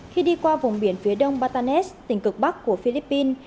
khi đi qua vùng biển phía đông bartanet tỉnh cực bắc của philippines